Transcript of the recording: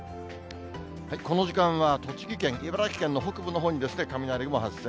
この時間は栃木県、茨城県の北部のほうに雷雲発生。